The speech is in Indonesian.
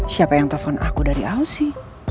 siapa yang telpon aku dari ausi